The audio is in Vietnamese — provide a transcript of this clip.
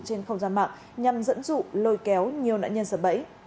trên không gian mạng nhằm dẫn dụ lôi kéo nhiều nạn nhân sập bẫy